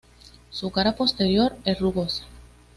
Su cara posterior es rugosa.